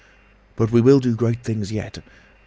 ... But we will do great things yet!